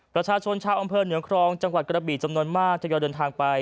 ประชาชนชาวอำเภอเหนือครองจังหวัดกระบีจำนวนมากทยอยเดินทางไป